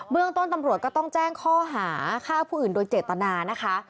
เรื่องต้นตำรวจก็ต้องแจ้งข้อหาฆ่าผู้อื่นโดยเจตนานะคะ